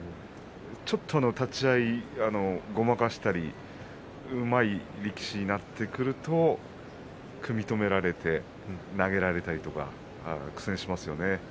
ちょっと立ち合いごまかしたりうまい力士になってくると組み止められて投げられたりとか苦戦しますよね。